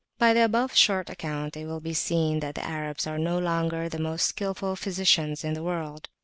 By the above short account it will be seen that the Arabs are no longer the most skilful physicians in the world.